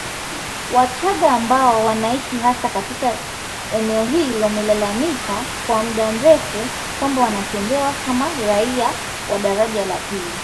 Wachaga ambao wanaishi hasa katika eneo hili wamelalamika kwa muda mrefu kwamba wanatendewa kama raia wa daraja la pili.